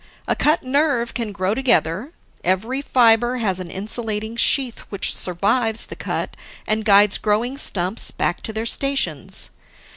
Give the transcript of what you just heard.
A cut nerve can grow together; every fiber has an insulating sheath which survives the cut and guides growing stumps back to their stations.